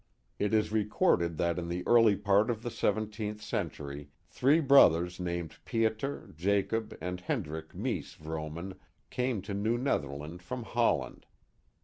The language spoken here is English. It is recorded that in the early part of the seventeenth cen tury three brothers named Pieter, Jacob, and Hendrick Meese Vrooman came to New Netherland from Holland.